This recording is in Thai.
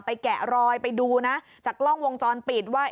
แกะรอยไปดูนะจากกล้องวงจรปิดว่า